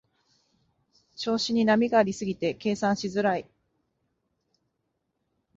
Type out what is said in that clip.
調子に波がありすぎて計算しづらい